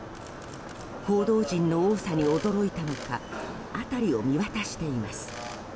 報道陣の多さに驚いたのか辺りを見渡しています。